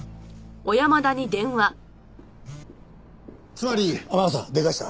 つまり！天笠でかした。